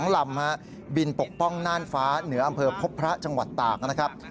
๒ลำบินปกป้องน่านฟ้าเหนืออำเภอพบพระจังหวัดตากนะครับ